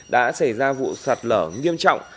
đã xảy ra vụ sạt lở nghiêm trọng